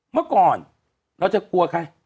เมื่อก่อนเราจะกลัวใคร